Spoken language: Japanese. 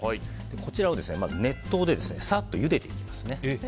こちらを熱湯でサッとゆでていきます。